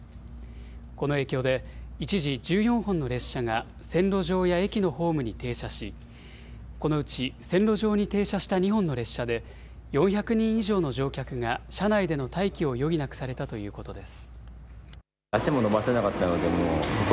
この影響で、一時、１４本の列車が線路上や駅のホームに停車し、このうち線路上に停車した２本の列車で、４００人以上の乗客が車内での待機を余儀なくされたということです。